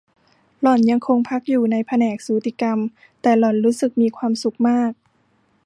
หล่อนยังคงพักอยู่ในแผนกสูติกรรม แต่หล่อนรู้สึกมีความสุขมาก